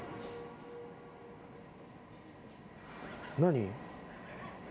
何？